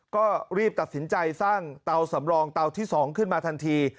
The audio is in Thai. ก็รีบตัดสินใจสร้างเตาสำรองเตาที่๒ขึ้นมาทันที